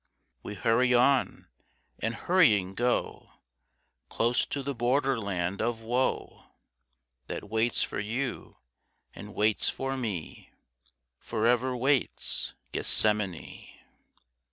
We hurry on; and hurrying, go Close to the borderland of woe That waits for you, and waits for me— Forever waits Gethsemane.